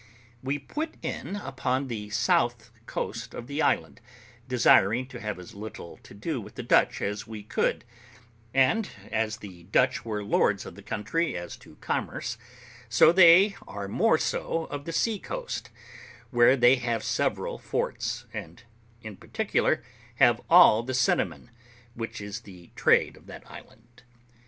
We put in upon the south coast of the island, desiring to have as little to do with the Dutch as we could; and as the Dutch were lords of the country as to commerce, so they are more so of the sea coast, where they have several forts, and, in particular, have all the cinnamon, which is the trade of that island.